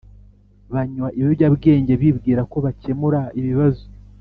banywa ibiyobyabwenge bibwira ko bakemura ibibazo